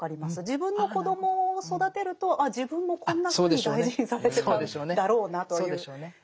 自分の子供を育てるとあっ自分もこんなふうに大事にされてたんだろうなという。